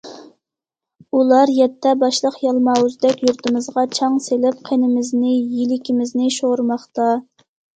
ئۇلار يەتتە باشلىق يالماۋۇزدەك يۇرتىمىزغا چاڭ سېلىپ، قېنىمىزنى، يىلىكىمىزنى شورىماقتا.